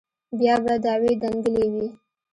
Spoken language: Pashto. بيا به دعوې دنگلې وې.